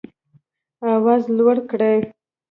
آواز لوړ کړئ